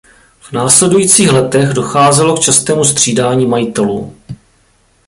V následujících letech docházelo k častému střídání majitelů.